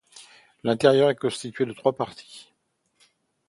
L'intérieur est constitué de trois parties.